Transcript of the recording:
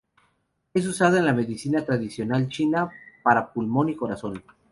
Es usada en la Medicina tradicional china para pulmón y corazón.